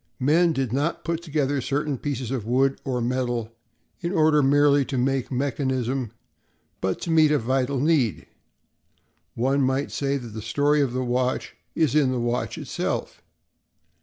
Men did not put together certain pieces of wood or metal in order merely to make mechanism, but to meet a vital need. One might almost say that the story of the watch is in the watch itself.